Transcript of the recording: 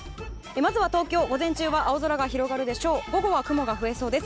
まず東京、午前中は青空が広がり午後は雲が増えそうです。